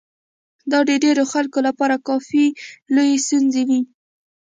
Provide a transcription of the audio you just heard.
دا د ډېرو خلکو لپاره کافي لويې ستونزې وې.